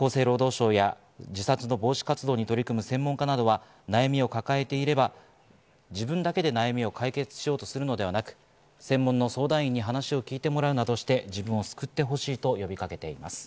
厚生労働省や自殺防止活動の専門家などは、悩みを抱えていれば自分だけで悩みを解決するるのではなく、専門の相談員に話を聞いてもらうなどして自分を救ってほしいと呼びかけています。